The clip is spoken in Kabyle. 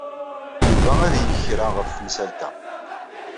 Yuba ad yeg kra ɣef temsalt-a.